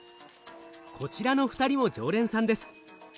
こちらの２人も常連さんです。